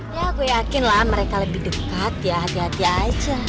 ya aku yakin lah mereka lebih dekat ya hati hati aja